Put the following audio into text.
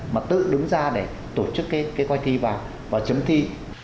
mà tự đứng ra để tổ chức cái quay thi vào và chấm thi